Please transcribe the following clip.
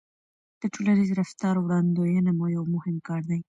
د ټولنیز رفتار وړاندوينه یو مهم کار دی.